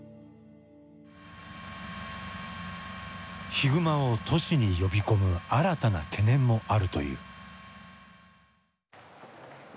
ヒグマを都市に呼び込む新たな懸念もあるという。